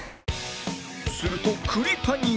すると栗谷が